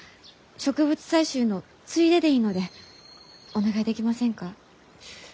植物採集のついででいいのでお願いできませんか？